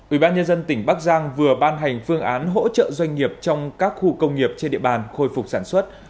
ủy ban nhân dân tỉnh bắc giang vừa ban hành phương án hỗ trợ doanh nghiệp trong các khu công nghiệp trên địa bàn khôi phục sản xuất